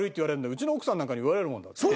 うちの奥さんなんかに言われるもんだって。